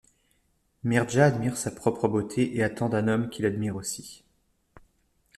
Mirdja admire sa propre beauté et attend d'un homme qu'il admire aussi.